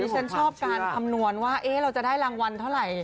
ฉันชอบการคำนวณว่าเราจะได้รางวัลเท่าไหร่